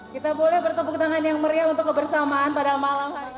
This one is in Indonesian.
kita boleh bertepuk tangan yang meriah untuk kebersamaan pada malam hari ini